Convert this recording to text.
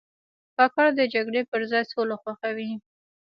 کاکړ د جګړې پر ځای سوله خوښوي.